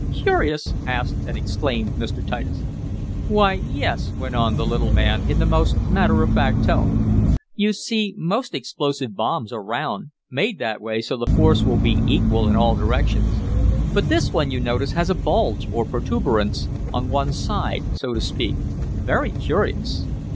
Curious!" asked and exclaimed Mr. Titus. "Why, yes," went on the little man, in the most matter of fact tone. "You see, most explosive bombs are round, made that way so the force will be equal in all directions. But this one, you notice, has a bulge, or protuberance, on one side, so to speak. Very curious!